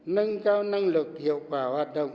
nâng cao năng lực hiệu quả hoạt động